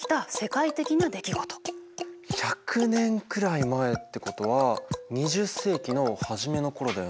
１００年くらい前ってことは２０世紀の初めの頃だよね。